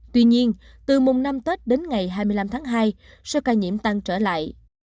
tuy nhiên từ mùng năm tết đến ngày hai mươi năm tháng hai số ca nhiễm tăng trở lại